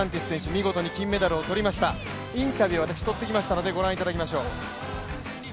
見事に金メダルを取りました、インタビュー私取ってきましたので、ご覧いただきましょう。